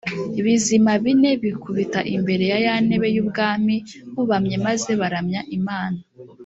bizima bine bikubita imbere ya ya ntebe y ubwami bubamye maze baramya imana